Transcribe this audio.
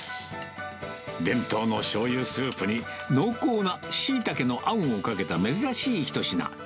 伝統のしょうゆスープに、濃厚なしいたけのあんをかけた珍しい一品。